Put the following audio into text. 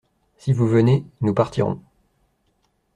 Si vous venez, nous partirons.